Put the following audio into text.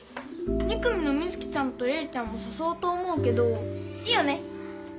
２組の美月ちゃんと玲ちゃんもさそおうと思うけどいいよね？